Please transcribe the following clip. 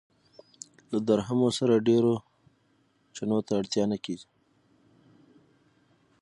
له درهمو سره ډېرو چنو ته اړتیا نه کېږي.